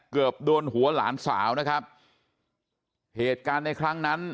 เกือบโดนหัวหลานสาวนะครับเหตุการณ์ในครั้งนั้น